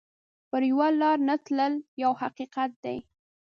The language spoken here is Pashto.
پر یوه لار نه تلل یو حقیقت دی.